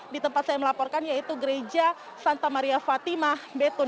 di tempat saya melaporkan yaitu gereja santa maria fatimah betun